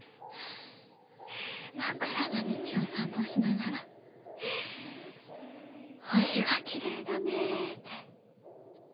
真っ暗な道を散歩しながら星がキレイだねって。